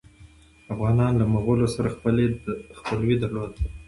افغانانو له مغولو سره خپلوي درلودله.